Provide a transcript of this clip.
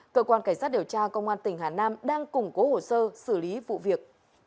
cơ quan cảnh sát điều tra công an tỉnh hà nam đang củng cố hồ sơ xử lý vụ việc